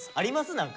何か。